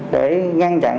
để ngăn chặn